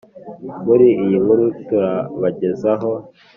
muri iyi nkuru turabagezaho